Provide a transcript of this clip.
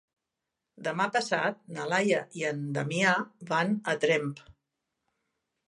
Demà passat na Laia i en Damià van a Tremp.